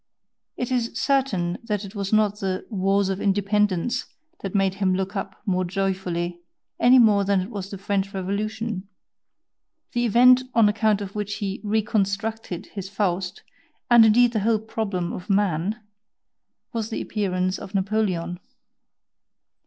It is certain that it was not the "Wars of Independence" that made him look up more joyfully, any more than it was the French Revolution, the event on account of which he RECONSTRUCTED his "Faust," and indeed the whole problem of "man," was the appearance of Napoleon.